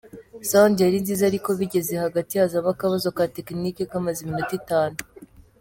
Sound yari nziza ariko bigeze hagati hazamo akabazo ka tekinike kamaze iminota itanu.